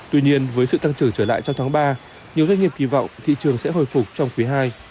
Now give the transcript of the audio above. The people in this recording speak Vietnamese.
tuy nhiên với sự tăng trưởng trở lại trong tháng ba nhiều doanh nghiệp kỳ vọng thị trường sẽ hồi phục trong quý ii